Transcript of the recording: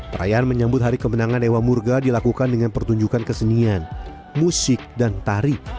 perayaan menyambut hari kemenangan dewa murga dilakukan dengan pertunjukan kesenian musik dan tari